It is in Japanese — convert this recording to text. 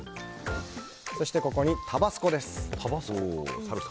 そして、ここにタバスコです。